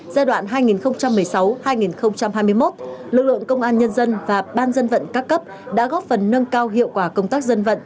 giai đoạn hai nghìn một mươi sáu hai nghìn hai mươi một lực lượng công an nhân dân và ban dân vận các cấp đã góp phần nâng cao hiệu quả công tác dân vận